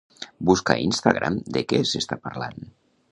Busca a Instagram de què s'està parlant.